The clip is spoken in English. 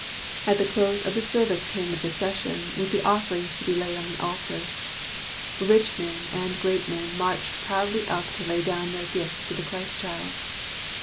At the close of the service came the procession with the offerings to be laid on the altar. Rich men and great men marched proudly up to lay down their gifts to the Christ child.